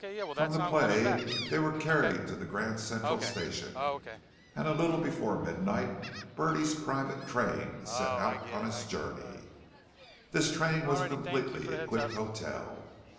From the play they were carried to the Grand Central Station, and a little before midnight Bertie's private train set out on its journey. This train was a completely equipped hotel.